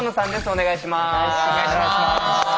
お願いします。